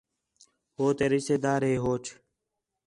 ہو تے رشتے دار ہے ہوچ